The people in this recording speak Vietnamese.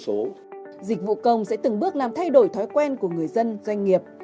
tuy nhiên dịch vụ công sẽ từng bước làm thay đổi thói quen của người dân doanh nghiệp